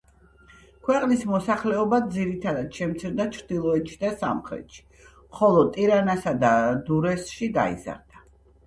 ქვეყნის მოსახლეობა ძირითადად შემცირდა ჩრდილოეთში და სამხრეთში, ხოლო ტირანასა და დურესში გაიზარდა.